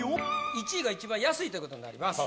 １位が一番安いという事になります。